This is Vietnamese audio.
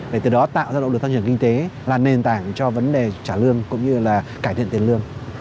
để từ đó tạo ra động lực tăng trưởng kinh tế là nền tảng cho vấn đề trả lương cũng như là cải thiện tiền lương